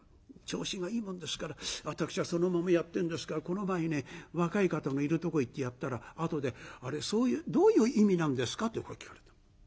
調子がいいもんですから私はそのままやってるんですがこの場合ね若い方のいるとこ行ってやったらあとで「あれどういう意味なんですか？」ってこう聞かれた。